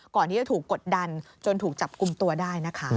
ก่อนที่จะถูกกดดันจนถูกจับกลุ่มตัวได้นะคะ